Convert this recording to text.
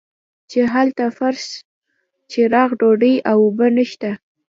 چې هلته فرش چراغ ډوډۍ او اوبه نشته.